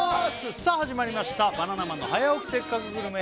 さあ始まりました「バナナマンの早起きせっかくグルメ！！」